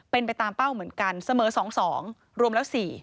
เป็นไปตามเป้าเหมือนกันเสมอสองสองรวมแล้วสี่